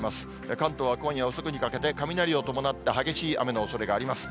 関東は今夜遅くにかけて、雷を伴った激しい雨のおそれがあります。